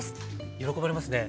喜ばれますね。